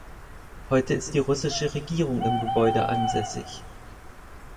Heute ist die russische Regierung im Gebäude ansässig.